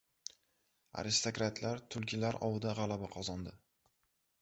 “Aristokratlar” “tulkilar ovi”da g‘alaba qozondi